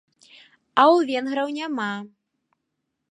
А ў венграў няма!